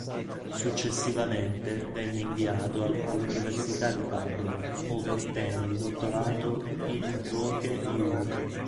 Successivamente venne inviato all'Università di Padova ove ottenne il dottorato "in utroque iure".